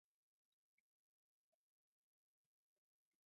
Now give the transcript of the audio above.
The attack overwhelmed the Malay Regiment, and the defence line shattered.